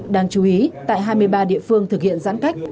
đáng chú ý tại hai mươi ba địa phương thực hiện giãn cách